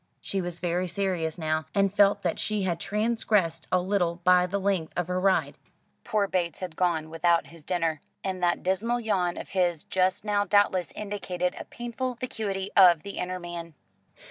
She was very serious now, and felt that she had transgressed a little by the length of her ride. Poor Bates had gone without his dinner, and that dismal yawn of his just now doubtless indicated a painful vacuity of the inner man.